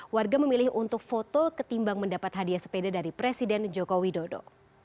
warga memilih untuk foto ketimbang mendapat hadiah sepeda dari presiden joko widodo